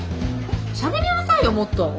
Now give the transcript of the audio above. しゃべりなさいよもっと。